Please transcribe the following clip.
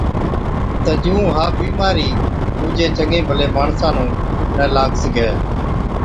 تہ جُون ها بِيمارِي ڏُوجي چڱي ڀلي ماڻسا نُون نہ لاگ سِگھَي۔